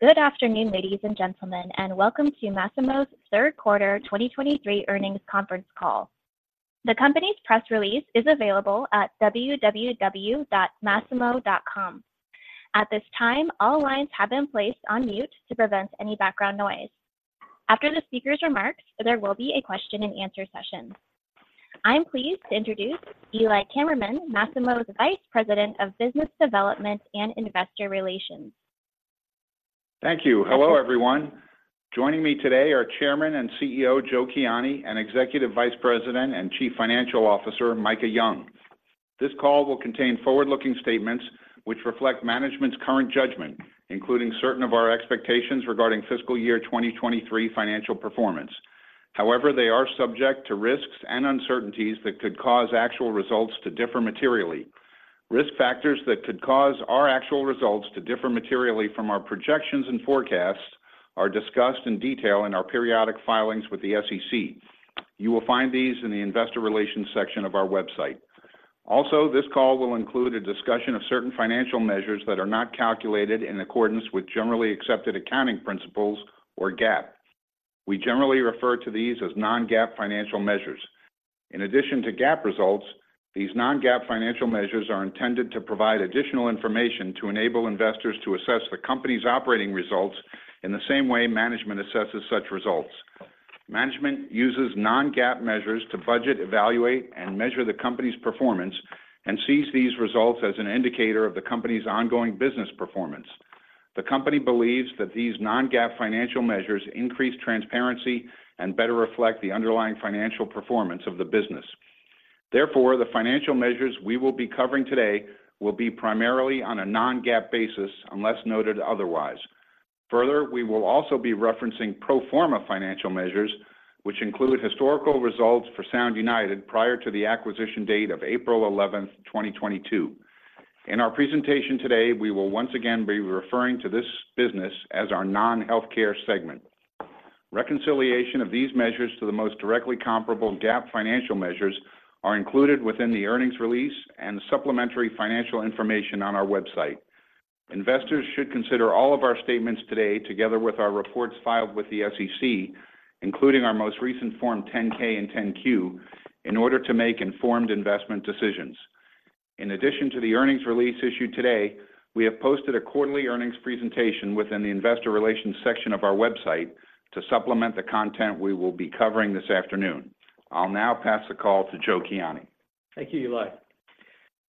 Good afternoon, ladies and gentlemen, and welcome to Masimo's third quarter 2023 earnings conference call. The company's press release is available at www.masimo.com. At this time, all lines have been placed on mute to prevent any background noise. After the speaker's remarks, there will be a question and answer session. I'm pleased to introduce Eli Kammerman, Masimo's Vice President of Business Development and Investor Relations. Thank you. Hello, everyone. Joining me today are Chairman and CEO, Joe Kiani, and Executive Vice President and Chief Financial Officer, Micah Young. This call will contain forward-looking statements which reflect management's current judgment, including certain of our expectations regarding fiscal year 2023 financial performance. However, they are subject to risks and uncertainties that could cause actual results to differ materially. Risk factors that could cause our actual results to differ materially from our projections and forecasts are discussed in detail in our periodic filings with the SEC. You will find these in the investor relations section of our website. Also, this call will include a discussion of certain financial measures that are not calculated in accordance with generally accepted accounting principles or GAAP. We generally refer to these as non-GAAP financial measures. In addition to GAAP results, these non-GAAP financial measures are intended to provide additional information to enable investors to assess the company's operating results in the same way management assesses such results. Management uses non-GAAP measures to budget, evaluate, and measure the company's performance, and sees these results as an indicator of the company's ongoing business performance. The company believes that these non-GAAP financial measures increase transparency and better reflect the underlying financial performance of the business. Therefore, the financial measures we will be covering today will be primarily on a non-GAAP basis, unless noted otherwise. Further, we will also be referencing pro forma financial measures, which include historical results for Sound United prior to the acquisition date of April 11th, 2022. In our presentation today, we will once again be referring to this business as our non-healthcare segment. Reconciliation of these measures to the most directly comparable GAAP financial measures are included within the earnings release and supplementary financial information on our website. Investors should consider all of our statements today, together with our reports filed with the SEC, including our most recent Form 10-K and 10-Q, in order to make informed investment decisions. In addition to the earnings release issued today, we have posted a quarterly earnings presentation within the investor relations section of our website to supplement the content we will be covering this afternoon. I'll now pass the call to Joe Kiani. Thank you, Eli.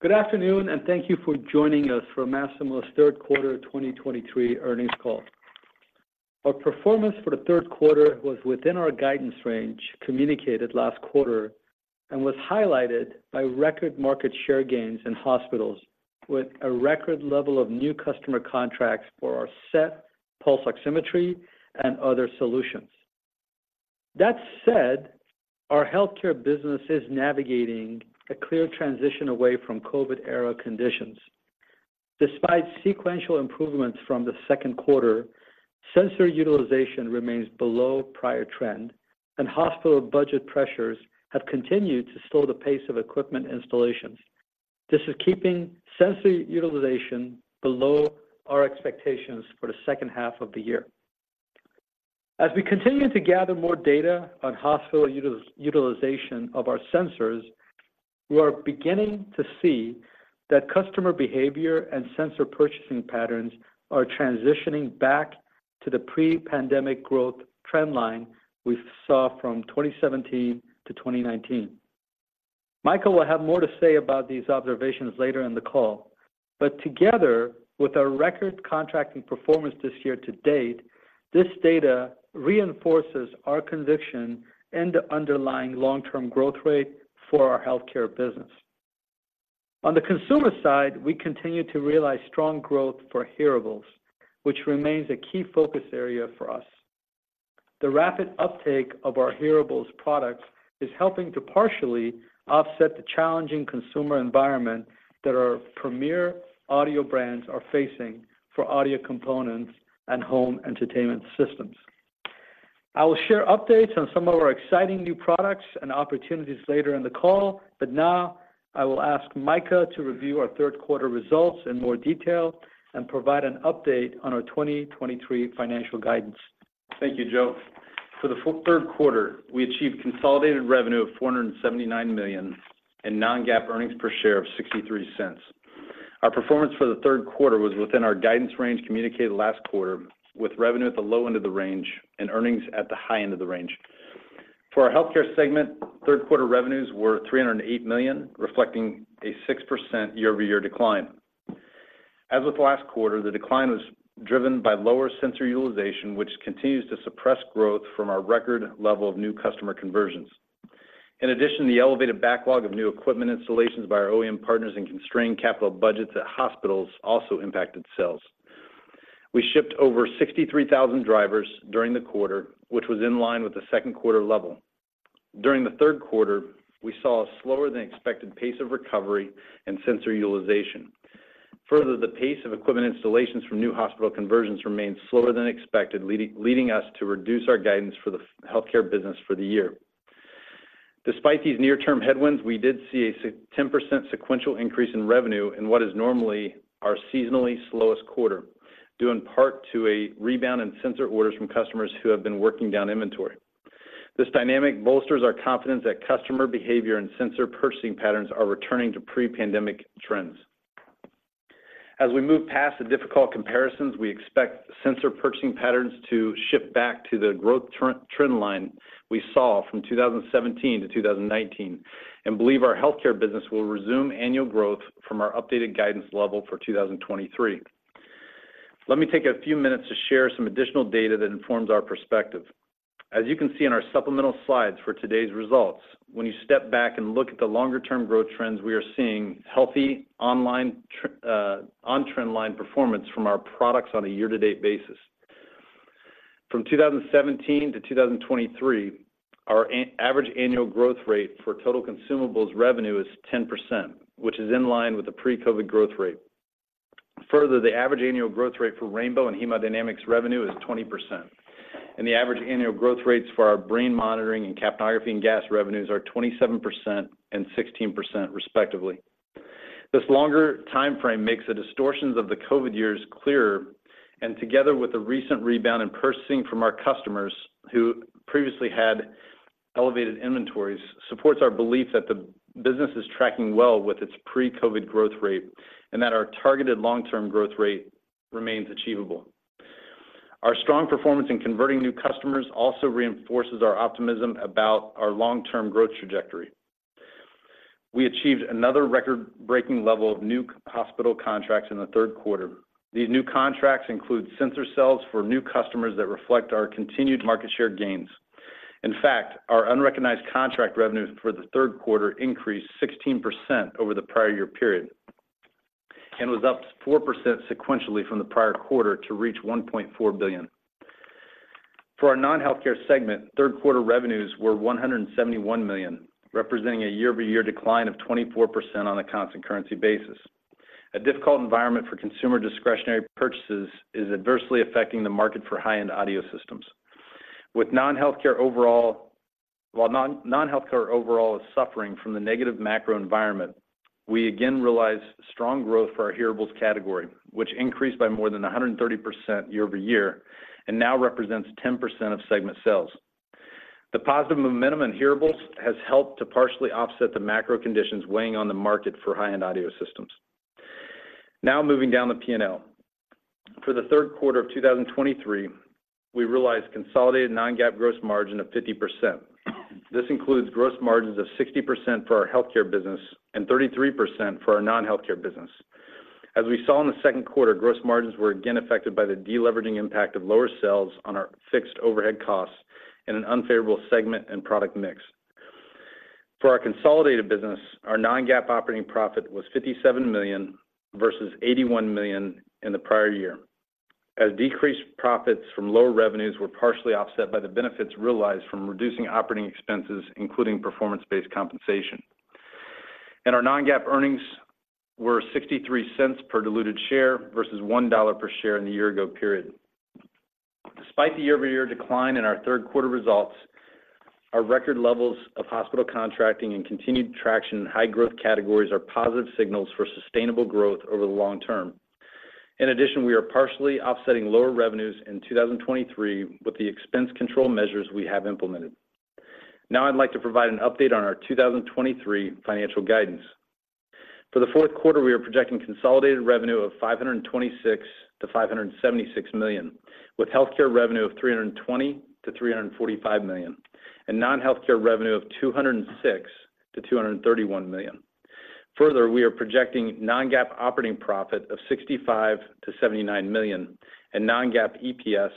Good afternoon, and thank you for joining us for Masimo's third quarter 2023 earnings call. Our performance for the third quarter was within our guidance range, communicated last quarter, and was highlighted by record market share gains in hospitals with a record level of new customer contracts for our SET pulse oximetry and other solutions. That said, our healthcare business is navigating a clear transition away from COVID-era conditions. Despite sequential improvements from the second quarter, sensor utilization remains below prior trend, and hospital budget pressures have continued to slow the pace of equipment installations. This is keeping sensor utilization below our expectations for the second half of the year. As we continue to gather more data on hospital utilization of our sensors, we are beginning to see that customer behavior and sensor purchasing patterns are transitioning back to the pre-pandemic growth trend line we saw from 2017 to 2019. Micah will have more to say about these observations later in the call, but together with our record contracting performance this year to date, this data reinforces our conviction in the underlying long-term growth rate for our healthcare business. On the consumer side, we continue to realize strong growth for hearables, which remains a key focus area for us. The rapid uptake of our hearables products is helping to partially offset the challenging consumer environment that our premier audio brands are facing for audio components and home entertainment systems. I will share updates on some of our exciting new products and opportunities later in the call, but now I will ask Micah to review our third quarter results in more detail and provide an update on our 2023 financial guidance. Thank you, Joe. For the third quarter, we achieved consolidated revenue of $479 million and non-GAAP earnings per share of $0.63. Our performance for the third quarter was within our guidance range, communicated last quarter, with revenue at the low end of the range and earnings at the high end of the range. For our healthcare segment, third quarter revenues were $308 million, reflecting a 6% year-over-year decline. As with last quarter, the decline was driven by lower sensor utilization, which continues to suppress growth from our record level of new customer conversions. In addition, the elevated backlog of new equipment installations by our OEM partners and constrained capital budgets at hospitals also impacted sales. We shipped over 63,000 drivers during the quarter, which was in line with the second quarter level. During the third quarter, we saw a slower than expected pace of recovery and sensor utilization. Further, the pace of equipment installations from new hospital conversions remained slower than expected, leading us to reduce our guidance for the healthcare business for the year. Despite these near-term headwinds, we did see a 10% sequential increase in revenue in what is normally our seasonally slowest quarter, due in part to a rebound in sensor orders from customers who have been working down inventory. This dynamic bolsters our confidence that customer behavior and sensor purchasing patterns are returning to pre-pandemic trends. As we move past the difficult comparisons, we expect sensor purchasing patterns to shift back to the growth trend line we saw from 2017 to 2019, and believe our healthcare business will resume annual growth from our updated guidance level for 2023. Let me take a few minutes to share some additional data that informs our perspective. As you can see in our supplemental slides for today's results, when you step back and look at the longer-term growth trends, we are seeing healthy on-trend line performance from our products on a year-to-date basis. From 2017 to 2023, our average annual growth rate for total consumables revenue is 10%, which is in line with the pre-COVID growth rate. Further, the average annual growth rate for rainbow and hemodynamics revenue is 20%, and the average annual growth rates for our brain monitoring and capnography and gas revenues are 27% and 16% respectively. This longer time frame makes the distortions of the COVID years clearer, and together with the recent rebound in purchasing from our customers who previously had elevated inventories, supports our belief that the business is tracking well with its pre-COVID growth rate, and that our targeted long-term growth rate remains achievable. Our strong performance in converting new customers also reinforces our optimism about our long-term growth trajectory. We achieved another record-breaking level of new hospital contracts in the third quarter. These new contracts include sensor sales for new customers that reflect our continued market share gains. In fact, our unrecognized contract revenues for the third quarter increased 16% over the prior year period, and was up 4% sequentially from the prior quarter to reach $1.4 billion. For our non-healthcare segment, third quarter revenues were $171 million, representing a year-over-year decline of 24% on a constant currency basis. A difficult environment for consumer discretionary purchases is adversely affecting the market for high-end audio systems. With non-healthcare overall, while non-healthcare overall is suffering from the negative macro environment, we again realize strong growth for our hearables category, which increased by more than 130% year-over-year, and now represents 10% of segment sales. The positive momentum in hearables has helped to partially offset the macro conditions weighing on the market for high-end audio systems. Now, moving down the P&L. For the third quarter of 2023, we realized consolidated non-GAAP gross margin of 50%. This includes gross margins of 60% for our healthcare business and 33% for our non-healthcare business. As we saw in the second quarter, gross margins were again affected by the deleveraging impact of lower sales on our fixed overhead costs and an unfavorable segment and product mix. For our consolidated business, our non-GAAP operating profit was $57 million versus $81 million in the prior year, as decreased profits from lower revenues were partially offset by the benefits realized from reducing operating expenses, including performance-based compensation. Our non-GAAP earnings were $0.63 per diluted share versus $1 per share in the year ago period. Despite the year-over-year decline in our third quarter results, our record levels of hospital contracting and continued traction in high growth categories are positive signals for sustainable growth over the long term. In addition, we are partially offsetting lower revenues in 2023 with the expense control measures we have implemented. Now, I'd like to provide an update on our 2023 financial guidance. For the fourth quarter, we are projecting consolidated revenue of $526 million-$576 million, with healthcare revenue of $320 million-$345 million, and non-healthcare revenue of $206 million-$231 million. Further, we are projecting non-GAAP operating profit of $65 million-$79 million and non-GAAP EPS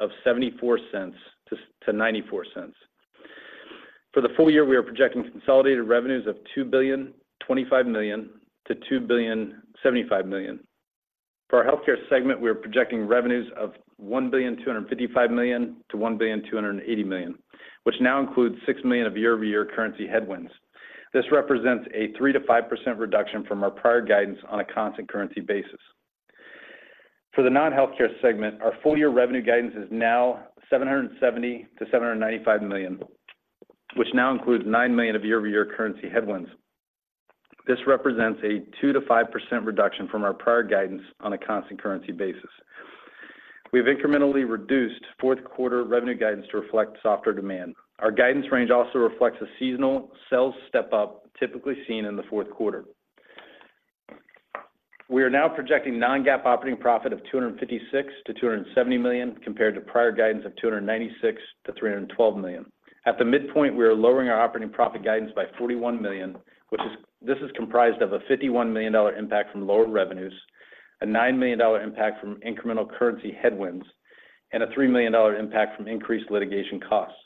of $0.74-$0.94. For the full year, we are projecting consolidated revenues of $2.025 billion-$2.075 billion. For our healthcare segment, we are projecting revenues of $1.255 billion-$1.28 billion, which now includes $6 million of year-over-year currency headwinds. This represents a 3%-5% reduction from our prior guidance on a constant currency basis. For the non-healthcare segment, our full year revenue guidance is now $770 million-$795 million, which now includes $9 million of year-over-year currency headwinds. This represents a 2%-5% reduction from our prior guidance on a constant currency basis. We've incrementally reduced fourth quarter revenue guidance to reflect softer demand. Our guidance range also reflects a seasonal sales step-up typically seen in the fourth quarter. We are now projecting non-GAAP operating profit of $256 million-$270 million, compared to prior guidance of $296 million-$312 million. At the midpoint, we are lowering our operating profit guidance by $41 million, which is comprised of a $51 million impact from lower revenues, a $9 million impact from incremental currency headwinds, and a $3 million impact from increased litigation costs.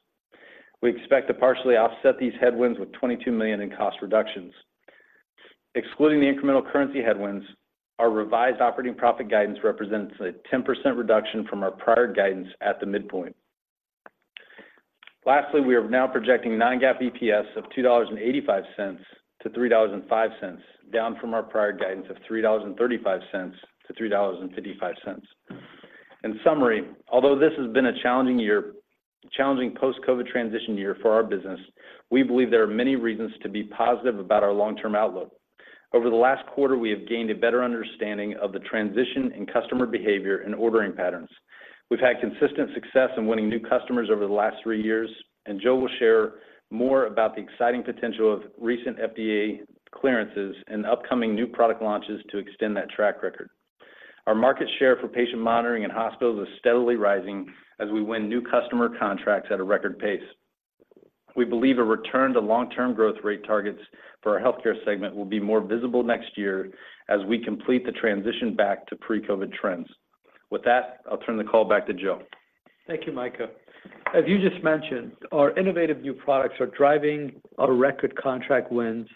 We expect to partially offset these headwinds with $22 million in cost reductions. Excluding the incremental currency headwinds, our revised operating profit guidance represents a 10% reduction from our prior guidance at the midpoint. Lastly, we are now projecting non-GAAP EPS of $2.85-$3.05, down from our prior guidance of $3.35-$3.55. In summary, although this has been a challenging year, challenging post-COVID transition year for our business, we believe there are many reasons to be positive about our long-term outlook. Over the last quarter, we have gained a better understanding of the transition in customer behavior and ordering patterns. We've had consistent success in winning new customers over the last three years, and Joe will share more about the exciting potential of recent FDA clearances and upcoming new product launches to extend that track record. Our market share for patient monitoring in hospitals is steadily rising as we win new customer contracts at a record pace. We believe a return to long-term growth rate targets for our healthcare segment will be more visible next year as we complete the transition back to pre-COVID trends. With that, I'll turn the call back to Joe. Thank you, Micah. As you just mentioned, our innovative new products are driving our record contract wins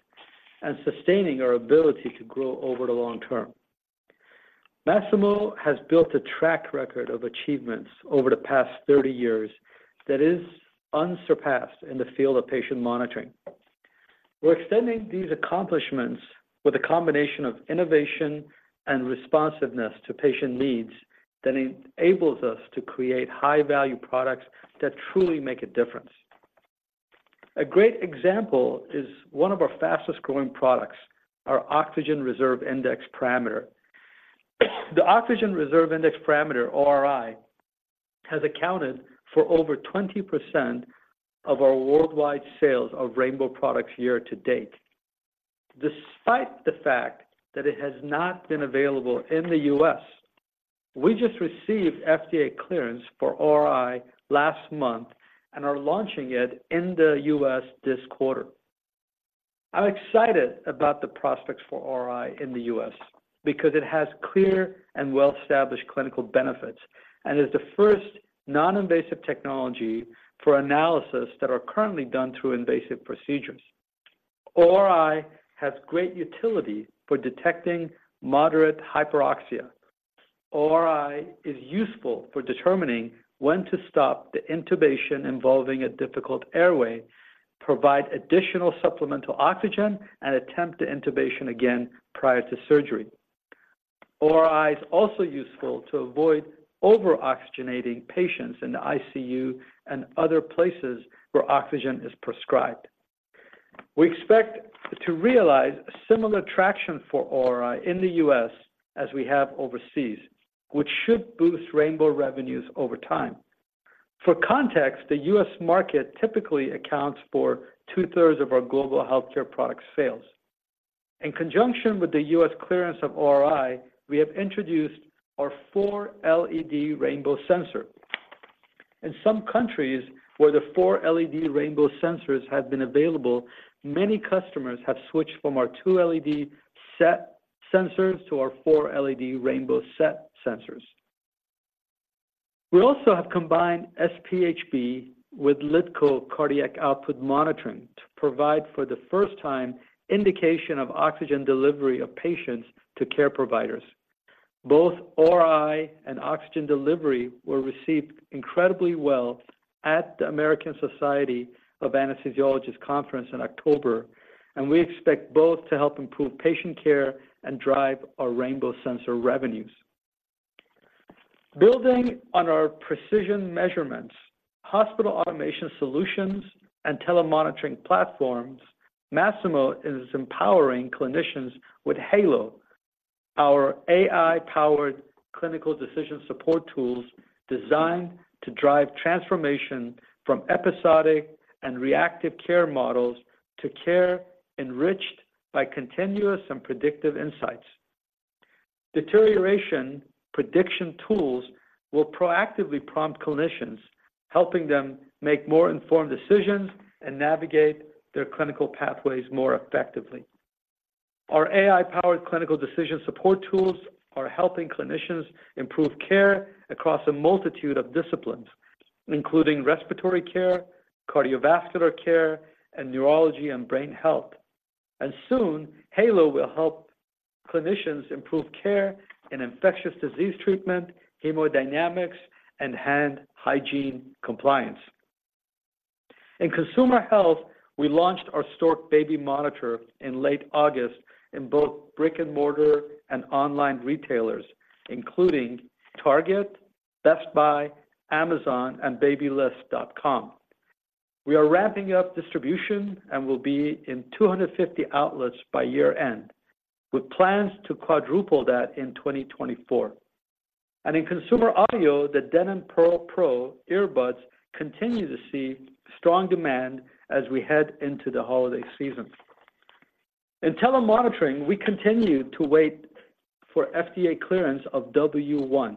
and sustaining our ability to grow over the long term. Masimo has built a track record of achievements over the past 30 years that is unsurpassed in the field of patient monitoring. We're extending these accomplishments with a combination of innovation and responsiveness to patient needs that enables us to create high-value products that truly make a difference. A great example is one of our fastest-growing products, our Oxygen Reserve Index parameter. The Oxygen Reserve Index parameter, ORi, has accounted for over 20% of our worldwide sales of rainbow products year to date, despite the fact that it has not been available in the U.S. We just received FDA clearance for ORi last month and are launching it in the U.S. this quarter. I'm excited about the prospects for ORi in the U.S. because it has clear and well-established clinical benefits and is the first non-invasive technology for analysis that are currently done through invasive procedures. ORi has great utility for detecting moderate hyperoxia. ORi is useful for determining when to stop the intubation involving a difficult airway, provide additional supplemental oxygen, and attempt intubation again prior to surgery. ORi is also useful to avoid over-oxygenating patients in the ICU and other places where oxygen is prescribed. We expect to realize similar traction for ORi in the U.S. as we have overseas, which should boost rainbow revenues over time. For context, the U.S. market typically accounts for two-thirds of our global healthcare products sales. In conjunction with the U.S. clearance of ORi, we have introduced our 4-LED rainbow sensor. In some countries where the 4-LED rainbow sensors have been available, many customers have switched from our 2-LED SET sensors to our 4-LED rainbow SET sensors. We also have combined SpHb with LiDCO cardiac output monitoring to provide, for the first time, indication of oxygen delivery of patients to care providers. Both ORi and oxygen delivery were received incredibly well at the American Society of Anesthesiologists conference in October, and we expect both to help improve patient care and drive our rainbow sensor revenues. Building on our precision measurements, hospital automation solutions, and telemonitoring platforms, Masimo is empowering clinicians with Halo, our AI-powered clinical decision support tools designed to drive transformation from episodic and reactive care models to care enriched by continuous and predictive insights. Deterioration prediction tools will proactively prompt clinicians, helping them make more informed decisions and navigate their clinical pathways more effectively. Our AI-powered clinical decision support tools are helping clinicians improve care across a multitude of disciplines, including respiratory care, cardiovascular care, and neurology and brain health. Soon, Halo will help clinicians improve care in infectious disease treatment, hemodynamics, and hand hygiene compliance. In consumer health, we launched our Stork baby monitor in late August in both brick-and-mortar and online retailers, including Target, Best Buy, Amazon, and Babylist.com. We are ramping up distribution and will be in 250 outlets by year-end, with plans to quadruple that in 2024. In consumer audio, the Denon PerL Pro earbuds continue to see strong demand as we head into the holiday season. In telemonitoring, we continue to wait for FDA clearance of W1.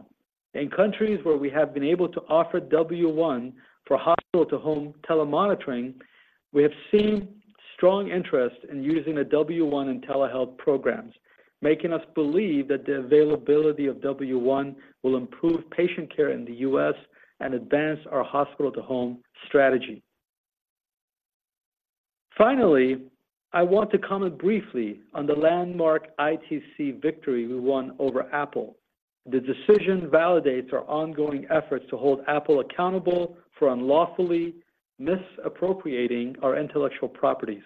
In countries where we have been able to offer W1 for hospital-to-home telemonitoring, we have seen strong interest in using the W1 in telehealth programs, making us believe that the availability of W1 will improve patient care in the U.S. and advance our hospital-to-home strategy. Finally, I want to comment briefly on the landmark ITC victory we won over Apple. The decision validates our ongoing efforts to hold Apple accountable for unlawfully misappropriating our intellectual properties.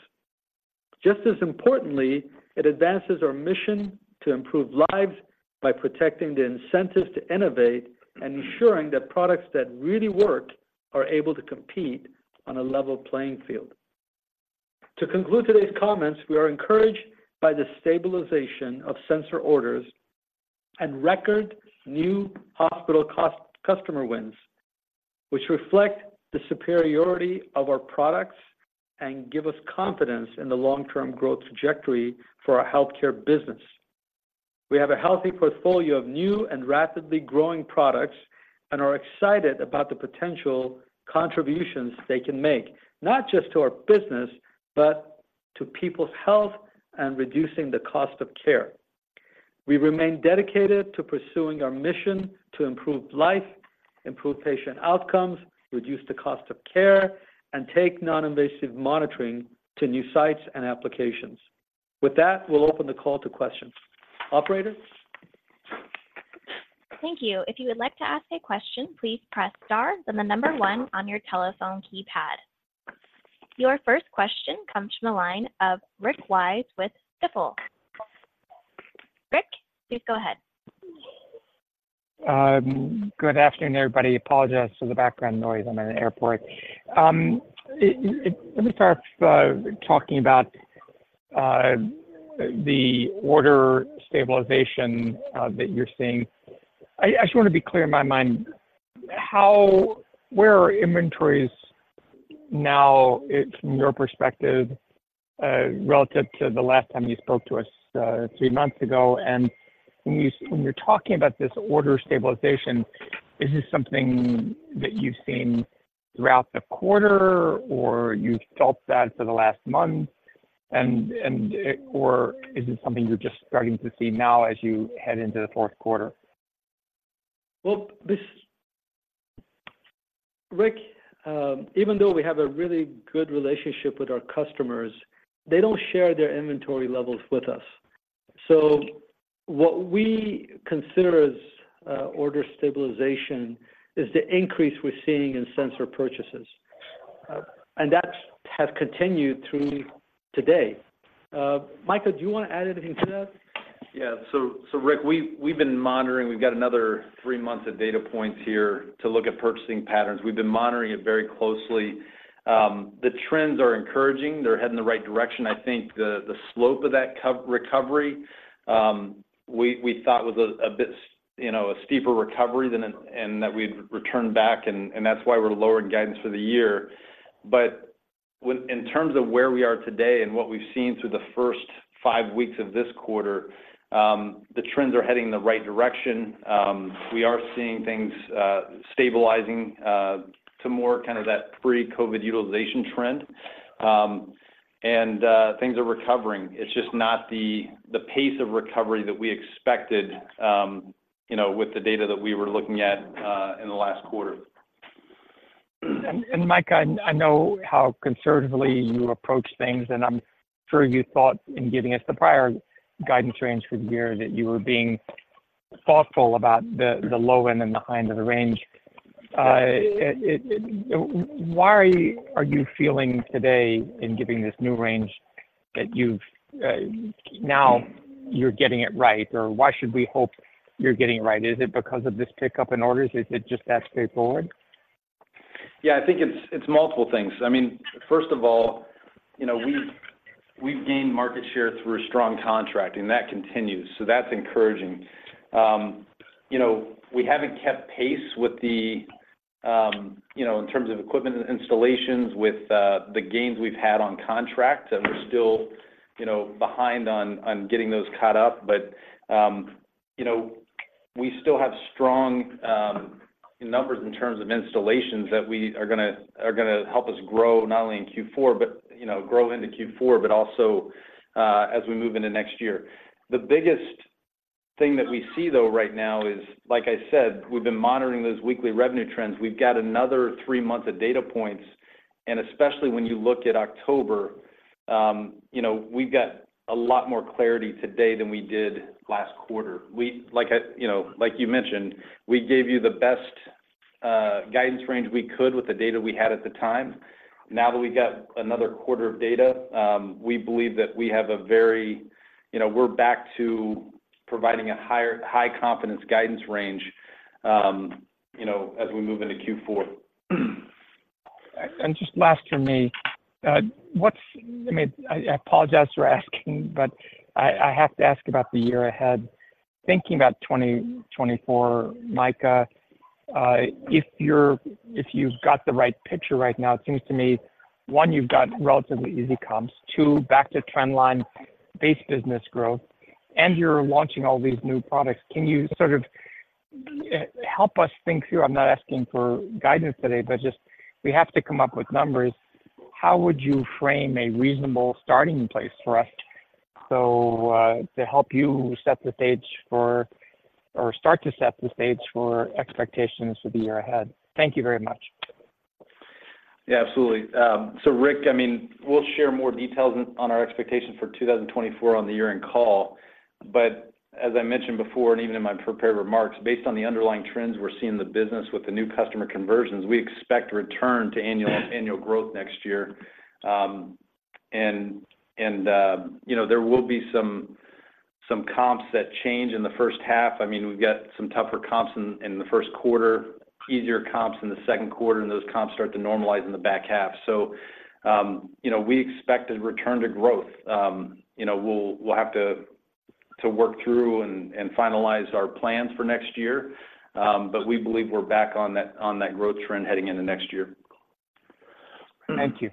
Just as importantly, it advances our mission to improve lives by protecting the incentives to innovate and ensuring that products that really work are able to compete on a level playing field. To conclude today's comments, we are encouraged by the stabilization of sensor orders and record new hospital customer wins, which reflect the superiority of our products and give us confidence in the long-term growth trajectory for our healthcare business. We have a healthy portfolio of new and rapidly growing products and are excited about the potential contributions they can make, not just to our business, but to people's health and reducing the cost of care. We remain dedicated to pursuing our mission to improve life, improve patient outcomes, reduce the cost of care, and take noninvasive monitoring to new sites and applications. With that, we'll open the call to questions. Operator? Thank you. If you would like to ask a question, please press star, then the number one on your telephone keypad. Your first question comes from the line of Rick Wise with Stifel. Rick, please go ahead. Good afternoon, everybody. Apologize for the background noise. I'm in an airport. Let me start by talking about the order stabilization that you're seeing. I just wanna be clear in my mind, where are inventories now, from your perspective, relative to the last time you spoke to us, three months ago? And when you're talking about this order stabilization, is this something that you've seen throughout the quarter, or you've felt that for the last month, or is this something you're just starting to see now as you head into the fourth quarter? Well, Rick, even though we have a really good relationship with our customers, they don't share their inventory levels with us. So what we consider as order stabilization is the increase we're seeing in sensor purchases, and that has continued through today. Micah, do you wanna add anything to that? Yeah. So, Rick, we've been monitoring. We've got another three months of data points here to look at purchasing patterns. We've been monitoring it very closely. The trends are encouraging. They're heading in the right direction. I think the slope of that recovery we thought was a bit, you know, a steeper recovery than in and that we'd return back, and that's why we're lowering guidance for the year. But in terms of where we are today and what we've seen through the first five weeks of this quarter, the trends are heading in the right direction. We are seeing things stabilizing to more kind of that pre-COVID utilization trend. And things are recovering. It's just not the pace of recovery that we expected, you know, with the data that we were looking at in the last quarter. And Micah, I know how conservatively you approach things, and I'm sure you thought in giving us the prior guidance range for the year, that you were being thoughtful about the low end and the high end of the range. Why are you feeling today in giving this new range that you've now you're getting it right, or why should we hope you're getting it right? Is it because of this pickup in orders? Is it just that straightforward? Yeah, I think it's, it's multiple things. I mean, first of all, you know, we've, we've gained market share through strong contract, and that continues, so that's encouraging. You know, we haven't kept pace with the, you know, in terms of equipment and installations, with the gains we've had on contract, and we're still, you know, behind on getting those caught up. But, you know, we still have strong numbers in terms of installations that we are gonna, are gonna help us grow, not only in Q4, but, you know, grow into Q4, but also, as we move into next year. The biggest thing that we see, though, right now is, like I said, we've been monitoring those weekly revenue trends. We've got another three months of data points, and especially when you look at October, you know, we've got a lot more clarity today than we did last quarter. We, you know, like you mentioned, we gave you the best guidance range we could with the data we had at the time. Now that we've got another quarter of data, we believe that we have a very high confidence guidance range, you know, as we move into Q4. Just last from me, I mean, I apologize for asking, but I, I have to ask about the year ahead. Thinking about 2024, Micah, if you've got the right picture right now, it seems to me, one, you've got relatively easy comps, two, back to trend line base business growth, and you're launching all these new products. Can you sort of help us think through? I'm not asking for guidance today, but just we have to come up with numbers. How would you frame a reasonable starting place for us, so to help you set the stage for or start to set the stage for expectations for the year ahead? Thank you very much. Yeah, absolutely. So Rick, I mean, we'll share more details on our expectations for 2024 on the year-end call.... but as I mentioned before, and even in my prepared remarks, based on the underlying trends we're seeing in the business with the new customer conversions, we expect to return to annual growth next year. And you know, there will be some comps that change in the first half. I mean, we've got some tougher comps in the first quarter, easier comps in the second quarter, and those comps start to normalize in the back half. So, you know, we expect a return to growth. You know, we'll have to work through and finalize our plans for next year. But we believe we're back on that growth trend heading into next year. Thank you.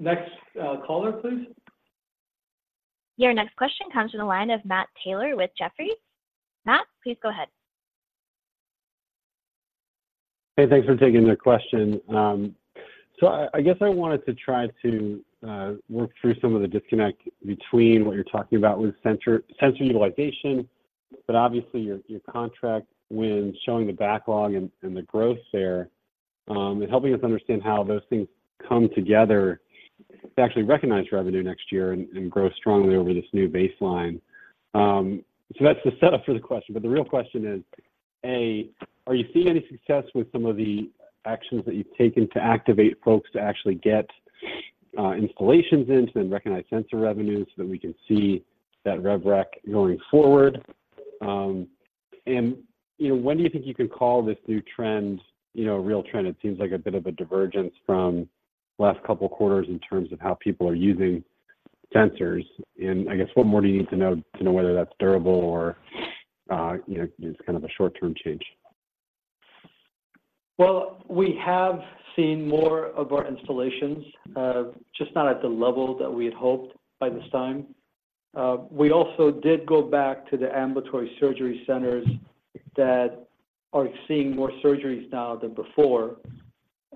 Next, caller, please. Your next question comes from the line of Matt Taylor with Jefferies. Matt, please go ahead. Hey, thanks for taking the question. So I, I guess I wanted to try to work through some of the disconnect between what you're talking about with sensor, sensor utilization, but obviously your, your contract when showing the backlog and, and the growth there, and helping us understand how those things come together to actually recognize revenue next year and, and grow strongly over this new baseline. So that's the setup for the question, but the real question is, A, are you seeing any success with some of the actions that you've taken to activate folks to actually get installations into the recognized sensor revenue, so that we can see that rev rec going forward? And, you know, when do you think you can call this new trend, you know, a real trend? It seems like a bit of a divergence from last couple of quarters in terms of how people are using sensors, and I guess, what more do you need to know to know whether that's durable or, you know, just kind of a short-term change? Well, we have seen more of our installations, just not at the level that we had hoped by this time. We also did go back to the ambulatory surgery centers that are seeing more surgeries now than before,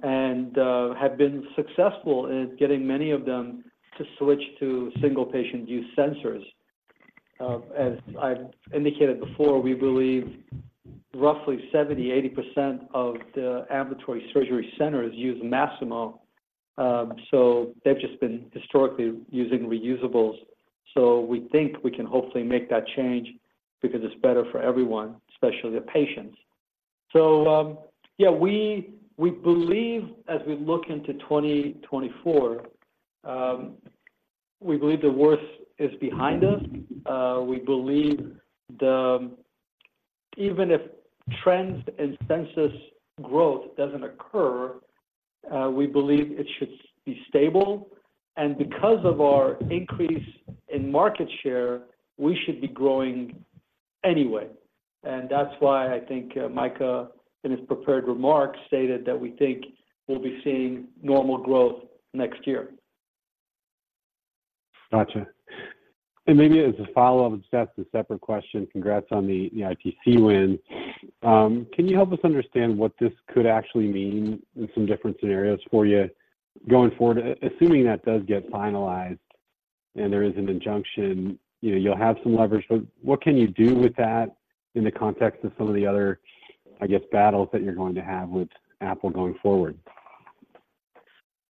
and have been successful in getting many of them to switch to single patient use sensors. As I've indicated before, we believe roughly 70%-80% of the ambulatory surgery centers use Masimo. So they've just been historically using reusables. So we think we can hopefully make that change because it's better for everyone, especially the patients. So we believe as we look into 2024, we believe the worst is behind us. We believe the... Even if trends and census growth doesn't occur, we believe it should be stable, and because of our increase in market share, we should be growing anyway. And that's why I think, Micah, in his prepared remarks, stated that we think we'll be seeing normal growth next year. Gotcha. And maybe as a follow-up, it's just a separate question. Congrats on the ITC win. Can you help us understand what this could actually mean in some different scenarios for you going forward? Assuming that does get finalized and there is an injunction, you know, you'll have some leverage, but what can you do with that in the context of some of the other, I guess, battles that you're going to have with Apple going forward?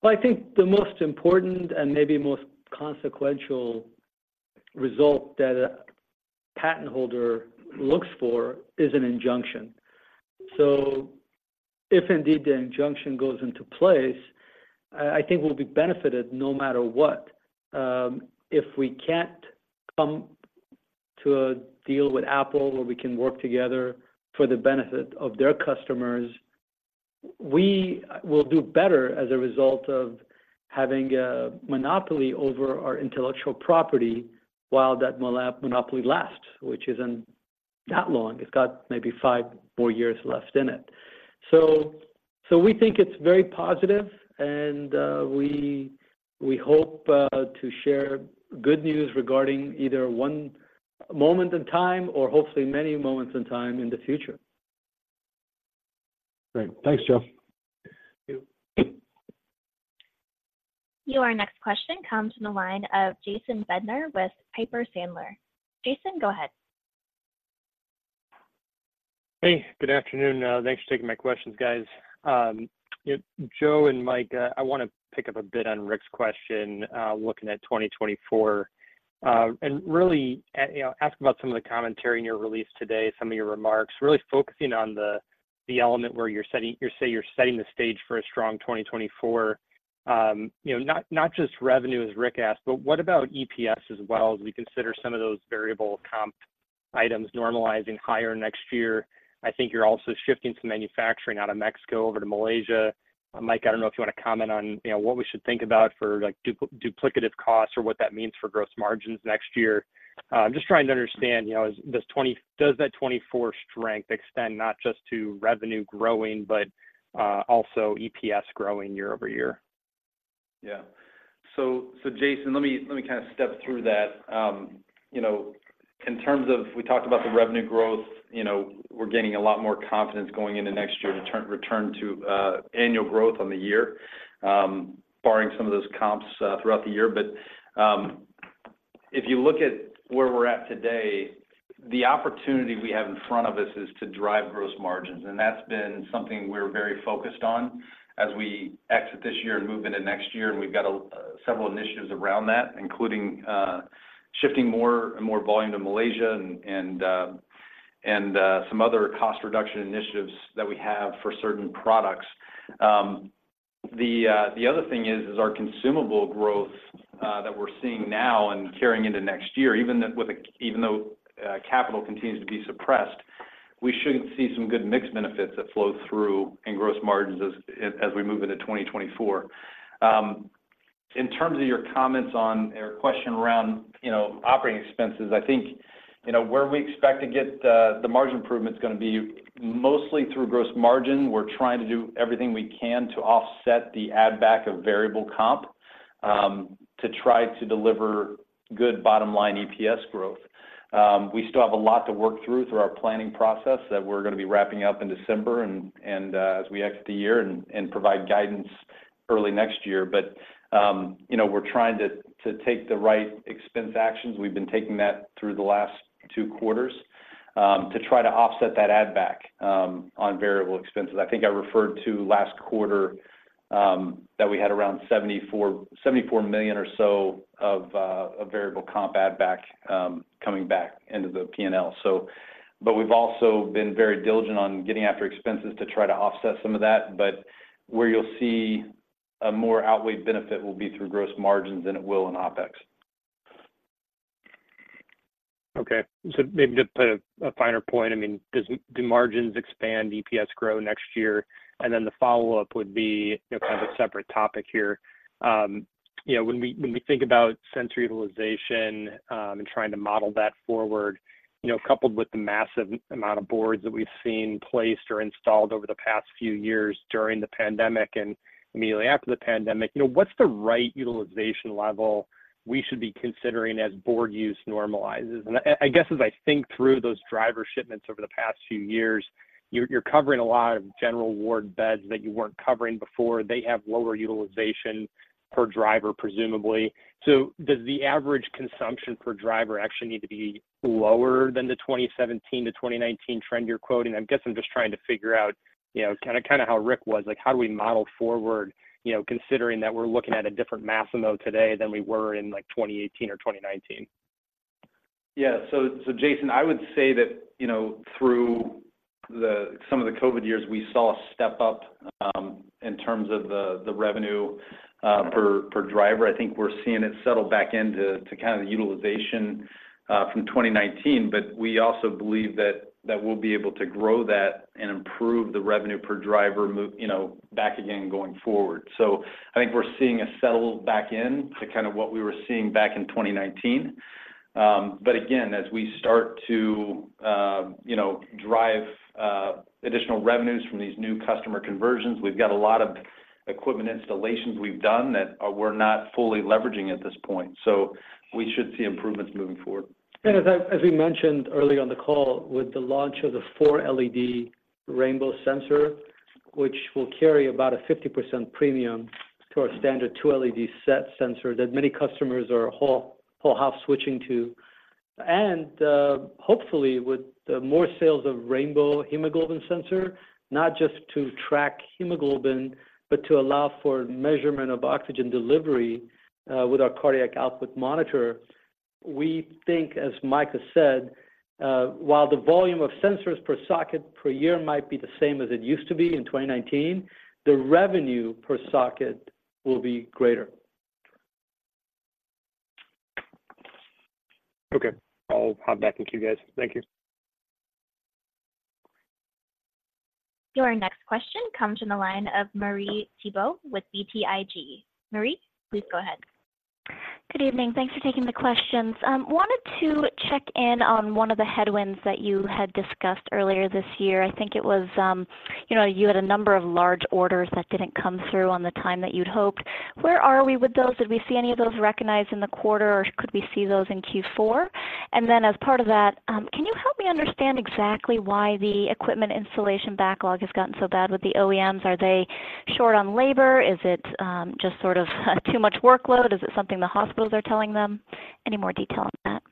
Well, I think the most important and maybe most consequential result that a patent holder looks for is an injunction. So if indeed the injunction goes into place, I think we'll be benefited no matter what. If we can't come to a deal with Apple, where we can work together for the benefit of their customers, we will do better as a result of having a monopoly over our intellectual property, while that monopoly lasts, which isn't that long. It's got maybe five, four years left in it. So we think it's very positive, and we hope to share good news regarding either one moment in time or hopefully many moments in time in the future. Great. Thanks, Joe. Thank you. Your next question comes from the line of Jason Bednar with Piper Sandler. Jason, go ahead. Hey, good afternoon. Thanks for taking my questions, guys. Joe and Micah, I want to pick up a bit on Rick's question, looking at 2024. And really, you know, ask about some of the commentary in your release today, some of your remarks, really focusing on the, the element where you're setting- you say you're setting the stage for a strong 2024. You know, not, not just revenue, as Rick asked, but what about EPS as well, as we consider some of those variable comp items normalizing higher next year? I think you're also shifting some manufacturing out of Mexico over to Malaysia. Mike, I don't know if you want to comment on, you know, what we should think about for, like, duplicative costs or what that means for gross margins next year. I'm just trying to understand, you know, is this—does that 2024 strength extend not just to revenue growing, but also EPS growing year-over-year? Yeah. So, Jason, let me kind of step through that. You know, in terms of... We talked about the revenue growth, you know, we're gaining a lot more confidence going into next year to return to annual growth year-over-year, barring some of those comps throughout the year. But, if you look at where we're at today, the opportunity we have in front of us is to drive gross margins, and that's been something we're very focused on as we exit this year and move into next year. And we've got several initiatives around that, including shifting more and more volume to Malaysia and some other cost reduction initiatives that we have for certain products. The other thing is our consumable growth that we're seeing now and carrying into next year, even though capital continues to be suppressed, we should see some good mixed benefits that flow through in gross margins as we move into 2024. In terms of your comments on or question around, you know, operating expenses, I think, you know, where we expect to get the margin improvement's gonna be mostly through gross margin. We're trying to do everything we can to offset the add back of variable comp to try to deliver good bottom line EPS growth. We still have a lot to work through our planning process that we're gonna be wrapping up in December and as we exit the year and provide guidance early next year. But, you know, we're trying to take the right expense actions. We've been taking that through the last two quarters to try to offset that add back on variable expenses. I think I referred to last quarter that we had around $74 million, $74 million or so of a variable comp add back coming back into the P&L. So, but we've also been very diligent on getting after expenses to try to offset some of that, but where you'll see a more outweighed benefit will be through gross margins than it will in OpEx. Okay. So maybe just to put a finer point, I mean, do margins expand, EPS grow next year? And then the follow-up would be, you know, kind of a separate topic here. You know, when we think about sensor utilization, and trying to model that forward, you know, coupled with the massive amount of boards that we've seen placed or installed over the past few years during the pandemic and immediately after the pandemic, you know, what's the right utilization level we should be considering as board use normalizes? And I guess, as I think through those driver shipments over the past few years, you're covering a lot of general ward beds that you weren't covering before. They have lower utilization per driver, presumably. So does the average consumption per driver actually need to be lower than the 2017-2019 trend you're quoting? I guess I'm just trying to figure out, you know, kinda, kinda how Rick was like, how do we model forward, you know, considering that we're looking at a different Masimo today than we were in, like, 2018 or 2019? Yeah. So, Jason, I would say that, you know, through some of the COVID years, we saw a step-up in terms of the revenue per driver. I think we're seeing it settle back into to kind of the utilization from 2019. But we also believe that we'll be able to grow that and improve the revenue per driver, move, you know, back again going forward. So I think we're seeing a settle back in to kind of what we were seeing back in 2019. But again, as we start to, you know, drive additional revenues from these new customer conversions, we've got a lot of equipment installations we've done that we're not fully leveraging at this point, so we should see improvements moving forward. As we mentioned early on the call, with the launch of the four-LED rainbow sensor, which will carry about a 50% premium to our standard two-LED SET sensor, that many customers are wholesale switching to. Hopefully, with the more sales of rainbow hemoglobin sensor, not just to track hemoglobin, but to allow for measurement of oxygen delivery with our cardiac output monitor, we think, as Mike has said, while the volume of sensors per socket per year might be the same as it used to be in 2019, the revenue per socket will be greater. Okay. I'll hop back with you guys. Thank you. Your next question comes from the line of Marie Thibault with BTIG. Marie, please go ahead. Good evening. Thanks for taking the questions. Wanted to check in on one of the headwinds that you had discussed earlier this year. I think it was, you know, you had a number of large orders that didn't come through on the time that you'd hoped. Where are we with those? Did we see any of those recognized in the quarter, or could we see those in Q4? And then as part of that, can you help me understand exactly why the equipment installation backlog has gotten so bad with the OEMs? Are they short on labor? Is it just sort of too much workload? Is it something the hospitals are telling them? Any more detail on that?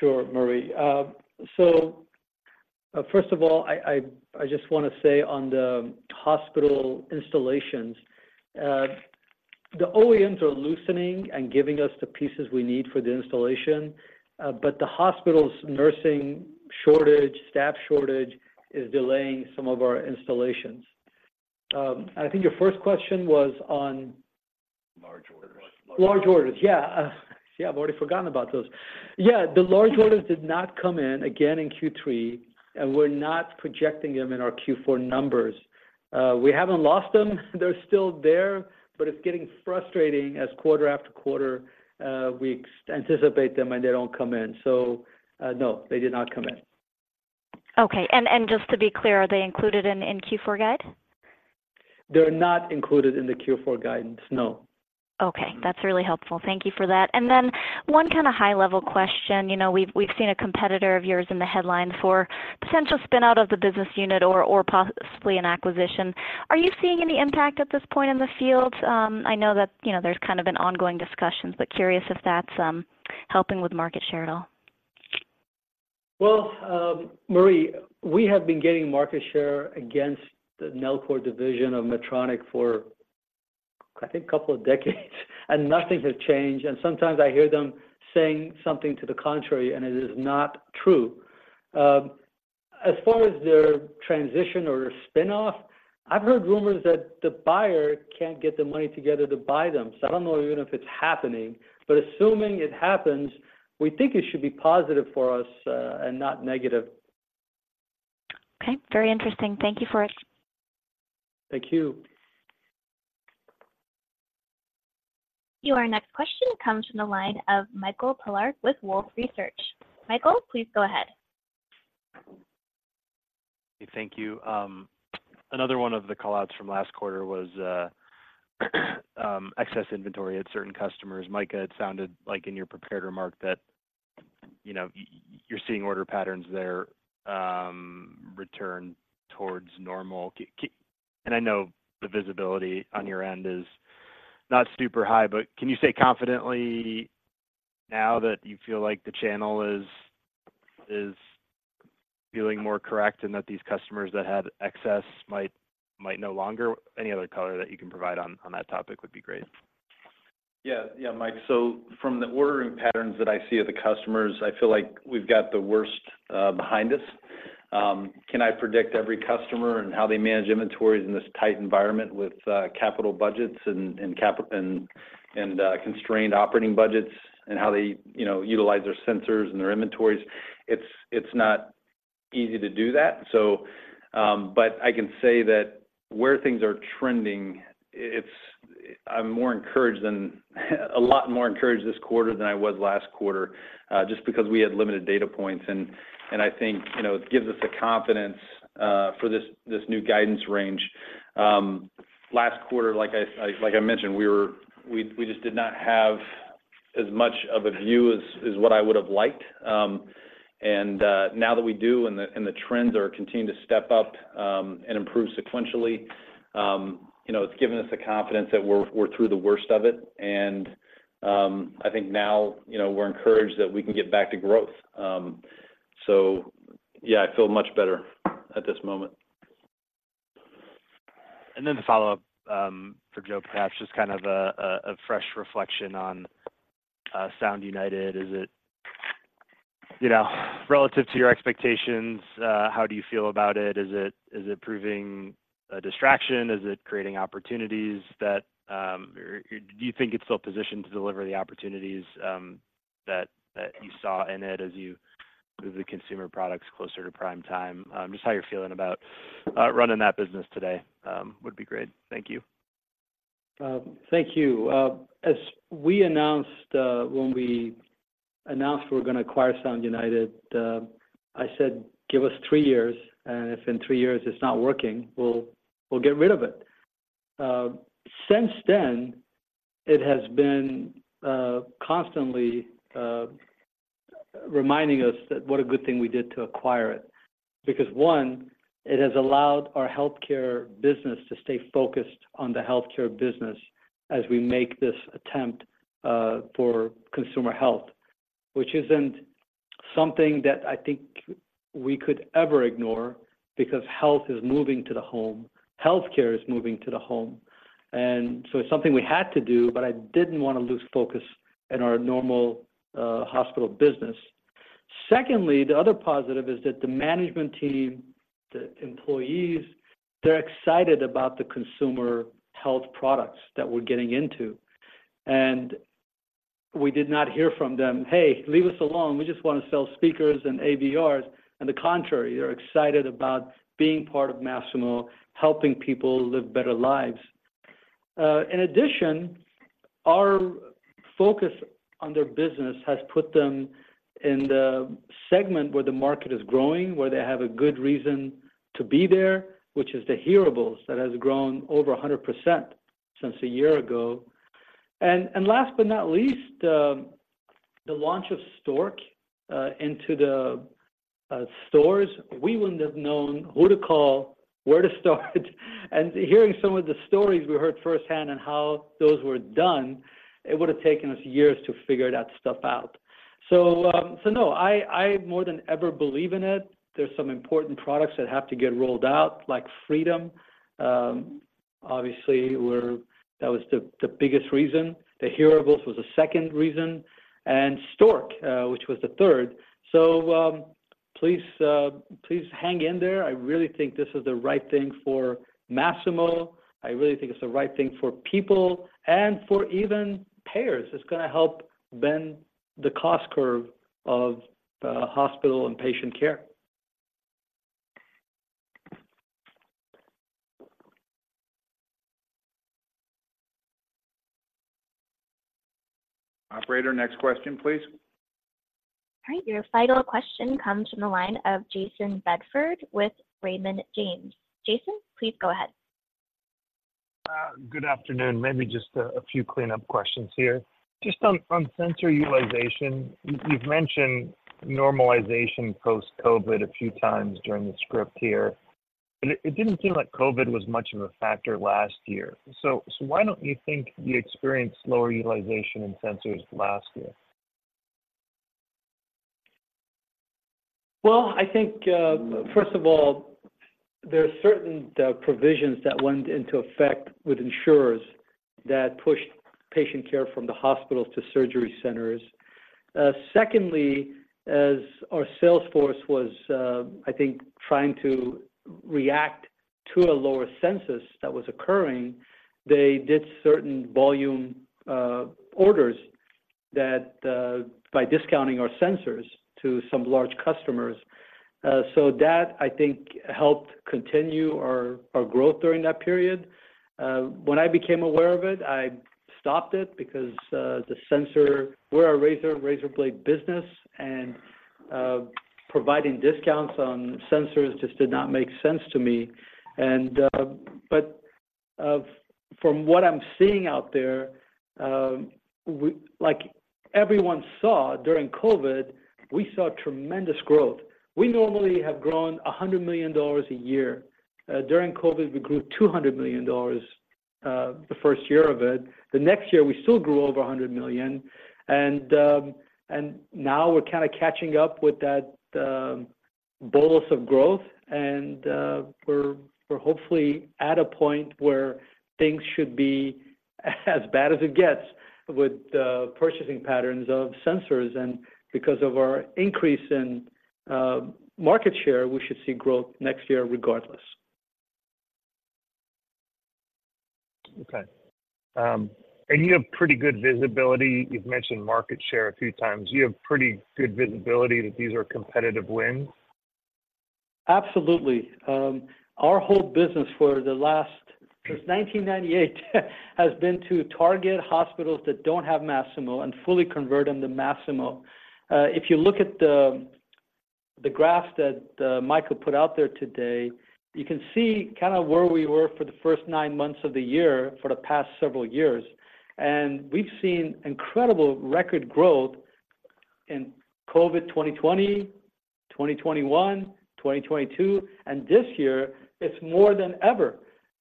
Sure, Marie. So, first of all, I just wanna say on the hospital installations, the OEMs are loosening and giving us the pieces we need for the installation, but the hospital's nursing shortage, staff shortage, is delaying some of our installations. I think your first question was on- Large orders. Large orders. Yeah. Yeah, I've already forgotten about those. Yeah, the large orders did not come in again in Q3, and we're not projecting them in our Q4 numbers. We haven't lost them. They're still there, but it's getting frustrating as quarter after quarter, we anticipate them, and they don't come in. So, no, they did not come in. Okay. And just to be clear, are they included in the Q4 guide? They're not included in the Q4 guidance, no. Okay. That's really helpful. Thank you for that. And then one kind of high-level question. You know, we've seen a competitor of yours in the headlines for potential spin-out of the business unit or possibly an acquisition. Are you seeing any impact at this point in the field? I know that, you know, there's kind of been ongoing discussions, but curious if that's helping with market share at all? Well, Marie, we have been getting market share against the Nellcor division of Medtronic for, I think, a couple of decades, and nothing has changed. And sometimes I hear them saying something to the contrary, and it is not true. As far as their transition or spinoff, I've heard rumors that the buyer can't get the money together to buy them, so I don't know even if it's happening. But assuming it happens, we think it should be positive for us, and not negative. Okay, very interesting. Thank you for it. Thank you. Your next question comes from the line of Michael Polark with Wolfe Research. Michael, please go ahead. Thank you. Another one of the call-outs from last quarter was excess inventory at certain customers. Micah, it sounded like in your prepared remark that, you know, you're seeing order patterns there return towards normal. And I know the visibility on your end is not super high, but can you say confidently now that you feel like the channel is feeling more correct and that these customers that had excess might no longer... Any other color that you can provide on that topic would be great. Yeah. Yeah, Mike. So from the ordering patterns that I see of the customers, I feel like we've got the worst behind us. Can I predict every customer and how they manage inventories in this tight environment with capital budgets and constrained operating budgets, and how they, you know, utilize their sensors and their inventories? It's not easy to do that. So, but I can say that where things are trending, it's—I'm more encouraged than, a lot more encouraged this quarter than I was last quarter, just because we had limited data points. And I think, you know, it gives us the confidence for this new guidance range. Last quarter, like I mentioned, we just did not have as much of a view as what I would have liked. And now that we do, and the trends are continuing to step up and improve sequentially, you know, it's given us the confidence that we're through the worst of it. And I think now, you know, we're encouraged that we can get back to growth. So yeah, I feel much better at this moment. And then the follow-up for Joe, perhaps just kind of a fresh reflection on Sound United. Is it, you know, relative to your expectations, how do you feel about it? Is it proving a distraction? Is it creating opportunities that or do you think it's still positioned to deliver the opportunities that you saw in it as you move the consumer products closer to prime time? Just how you're feeling about running that business today would be great. Thank you. Thank you. As we announced, when we announced we were going to acquire Sound United, I said, "Give us three years, and if in three years it's not working, we'll, we'll get rid of it." Since then, it has been constantly reminding us that what a good thing we did to acquire it. Because one, it has allowed our healthcare business to stay focused on the healthcare business as we make this attempt for consumer health. Which isn't something that I think we could ever ignore, because health is moving to the home, healthcare is moving to the home. And so it's something we had to do, but I didn't want to lose focus in our normal hospital business. Secondly, the other positive is that the management team, the employees, they're excited about the consumer health products that we're getting into. We did not hear from them, "Hey, leave us alone. We just want to sell speakers and AVRs." On the contrary, they're excited about being part of Masimo, helping people live better lives. In addition, our focus on their business has put them in the segment where the market is growing, where they have a good reason to be there, which is the hearables, that has grown over 100% since a year ago. And last but not least, the launch of Stork into the stores. We wouldn't have known who to call, where to start, and hearing some of the stories we heard firsthand on how those were done, it would have taken us years to figure that stuff out. So, no, I more than ever believe in it. There's some important products that have to get rolled out, like Freedom. Obviously, we're-- that was the, the biggest reason. The hearables was the second reason, and Stork, which was the third. So, please, please hang in there. I really think this is the right thing for Masimo. I really think it's the right thing for people and for even payers. It's going to help bend the cost curve of, hospital and patient care. Operator, next question, please. All right. Your final question comes from the line of Jason Bedford with Raymond James. Jason, please go ahead. Good afternoon. Maybe just a few cleanup questions here. Just on sensor utilization, you've mentioned normalization post-COVID a few times during the script here. But it didn't seem like COVID was much of a factor last year. So why don't you think you experienced lower utilization in sensors last year? Well, I think, first of all, there are certain provisions that went into effect with insurers that pushed patient care from the hospitals to surgery centers. Secondly, as our sales force was, I think, trying to react to a lower census that was occurring, they did certain volume orders that, by discounting our sensors to some large customers. So that, I think, helped continue our growth during that period. When I became aware of it, I stopped it because, we're a razor blade business, and providing discounts on sensors just did not make sense to me. From what I'm seeing out there, like everyone saw during COVID, we saw tremendous growth. We normally have grown $100 million a year. During COVID, we grew $200 million, the first year of it. The next year, we still grew over $100 million, and, and now we're kinda catching up with that, bolus of growth, and, we're hopefully at a point where things should be as bad as it gets with, purchasing patterns of sensors. And because of our increase in, market share, we should see growth next year regardless. Okay. And you have pretty good visibility. You've mentioned market share a few times. You have pretty good visibility that these are competitive wins? Absolutely. Our whole business for the last, since 1998, has been to target hospitals that don't have Masimo and fully convert them to Masimo. If you look at the graphs that Micah put out there today, you can see kinda where we were for the first nine months of the year, for the past several years. And we've seen incredible record growth in COVID 2020, 2021, 2022, and this year, it's more than ever.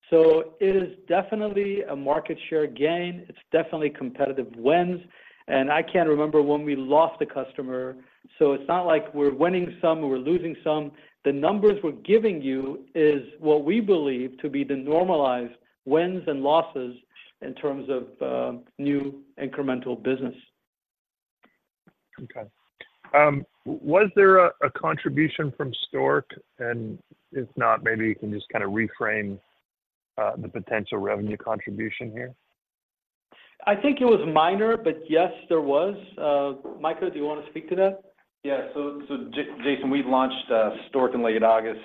So it is definitely a market share gain, it's definitely competitive wins, and I can't remember when we lost a customer. So it's not like we're winning some or we're losing some. The numbers we're giving you is what we believe to be the normalized wins and losses in terms of new incremental business. Okay. Was there a contribution from Stork? And if not, maybe you can just kinda reframe the potential revenue contribution here. I think it was minor, but yes, there was. Micah, do you wanna speak to that? Yeah. So, Jason, we launched Stork in late August.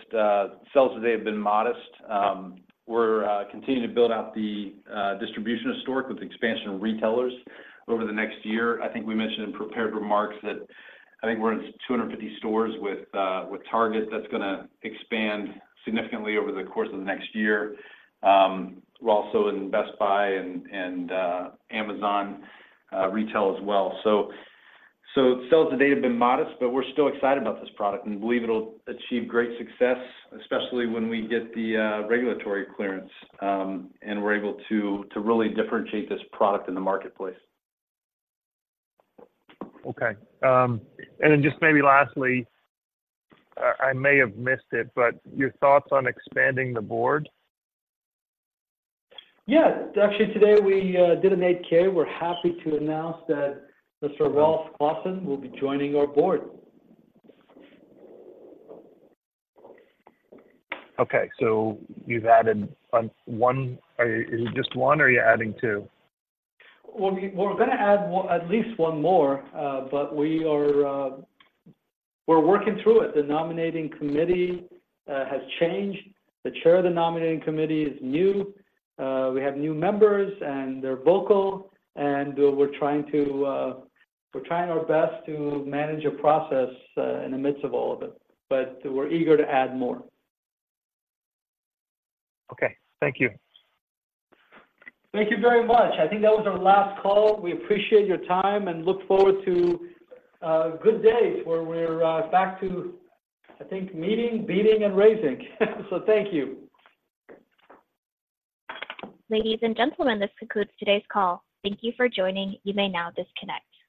Sales today have been modest. We're continuing to build out the distribution of Stork with the expansion of retailers over the next year. I think we mentioned in prepared remarks that I think we're in 250 stores with Target. That's gonna expand significantly over the course of the next year. We're also in Best Buy and Amazon retail as well. So, sales today have been modest, but we're still excited about this product and believe it'll achieve great success, especially when we get the regulatory clearance and we're able to really differentiate this product in the marketplace. Okay. And then just maybe lastly, I may have missed it, but your thoughts on expanding the board? Yeah. Actually, today, we did an 8-K. We're happy to announce that Mr. Ralph Lawson will be joining our board. Okay, so you've added one. Or, is it just one, or are you adding two? Well, we're gonna add one, at least one more, but we're working through it. The nominating committee has changed. The chair of the nominating committee is new. We have new members, and they're vocal, and we're trying to, we're trying our best to manage a process in the midst of all of it, but we're eager to add more. Okay. Thank you. Thank you very much. I think that was our last call. We appreciate your time and look forward to good days where we're back to, I think, meeting, beating, and raising. So thank you. Ladies and gentlemen, this concludes today's call. Thank you for joining. You may now disconnect.